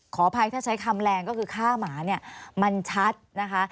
ขออภัยถ้าใช้คำแรงก็คือฆ่าหมาเนี่ยมันชัดนะคะ